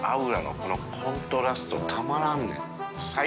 このコントラストたまらんね。